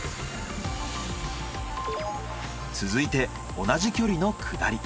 続いて同じ距離の下り。